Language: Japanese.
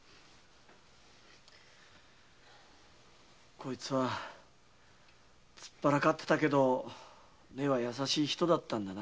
こいつは突っ張らかっていたけど根は優しい人だったんだなぁ。